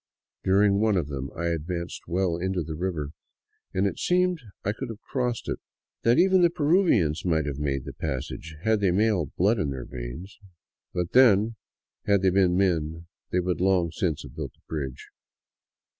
During one of them I advanced well into the river, and it seemed I could have crossed it ; that even the Peruvians might have made the passage, had they male blood in their veins. But then, had they been men they would long since have built a bridge.